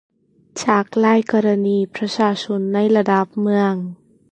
จากหลายกรณีประชาชนในระดับเมือง